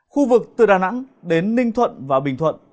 khu vực từ đà nẵng đến ninh thuận và bình thuận